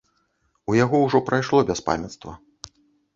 У яго ўжо прайшло бяспамяцтва.